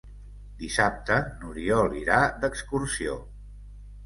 Dissabte n'Oriol irà d'excursió.